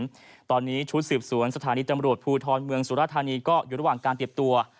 ตอนนี้ชุดสืบสวนสถานีตำรวจภูทรเมืองสุรธานีก็อยู่ระหว่างการเตรียมตัว